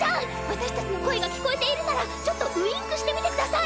私たちの声が聞こえているならちょっとウインクしてみてください！